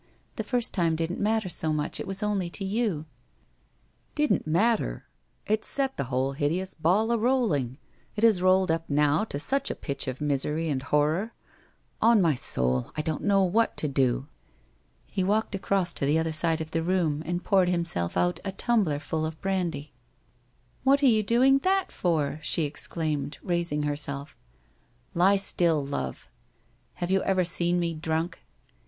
The first time didn't matter so much, it was only to you/ ' Didn't matter ! It set the whole hideous ball a rolling. It has rolled up now to such a pitch of misery and horror. ... On my soul, I don't know what to do? ../ He walked across to the other side of the room and poured himself out a tumbler full of brandy. ' What are you doing that for ?' she exclaimed, raising herself. ' Lie still, Love !... Have you ever seen me drunk